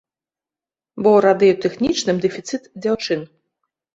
Бо ў радыётэхнічным дэфіцыт дзяўчын.